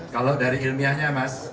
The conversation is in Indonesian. kalau dari ilmiahnya mas